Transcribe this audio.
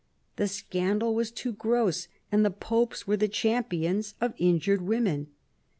The scandal was too gross ; and the popes were the champions of injured women.